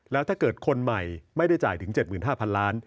แล้วถ้าเกิดคนใหม่ไม่ได้จ่ายถึง๗๕๐๐ล้าน